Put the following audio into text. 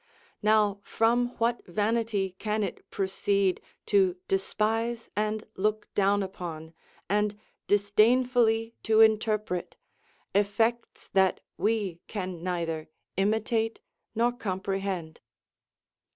Now from what vanity can it proceed to despise and look down upon, and disdainfully to interpret, effects that we can neither imitate nor comprehend?